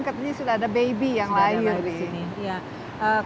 katanya sudah ada bayi yang lahir